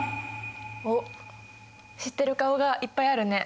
おっ知ってる顔がいっぱいあるね。